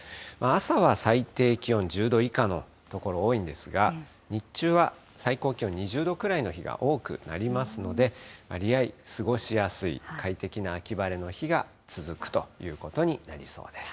朝は最低気温１０度以下の所、多いんですが、日中は最高気温２０度くらいの日が多くなりますので、わりあい過ごしやすい、快適な秋晴れの日が続くということになりそうです。